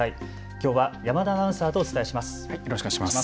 きょうは山田アナウンサーとお伝えします。